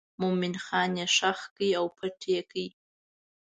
مومن خان یې ښخ کړ او پټ یې کړ.